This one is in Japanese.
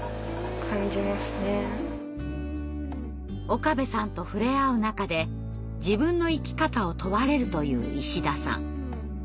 岡部さんと触れ合う中で自分の生き方を問われるという石田さん。